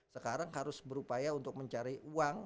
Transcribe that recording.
sekarang harus berupaya untuk mencari uang